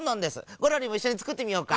ゴロリもいっしょにつくってみようか。